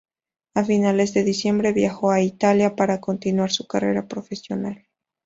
A finales de diciembre, viajó a Italia para continuar su carrera profesional.